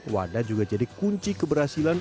wadah juga jadi kunci keberhasilan